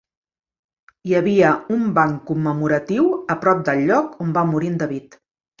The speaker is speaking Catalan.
Hi havia un banc commemoratiu a prop del lloc on va morir en David.